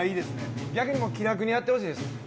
逆に気楽にやってほしいです。